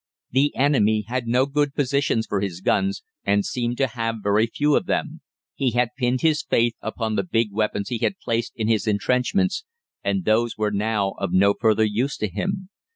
The enemy had no good positions for his guns, and seemed to have very few of them. He had pinned his faith upon the big weapons he had placed in his entrenchments, and those were now of no further use to him.